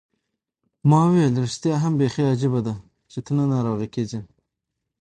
ما وویل: ریښتیا هم، بیخي عجبه ده، چي ته نه ناروغه کېږې.